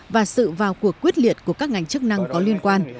và sự vào cuộc quyết liệt của các ngành chức năng có liên quan